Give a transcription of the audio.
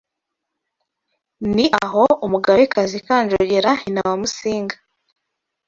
ni aho Umugabekazi Kanjogera nyina wa Musinga